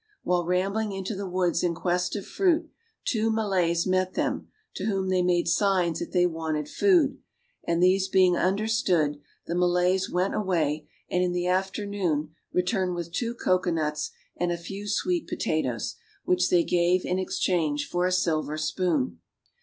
While rambling into the woods in quest of fruit, two Malays met them, to whom they made signs that they wanted food, and these being understood, the Malays went away, and in the afternoon returned with two cocoa nuts and a few sweet potatoes, which they gave in exchange for a silver spoon.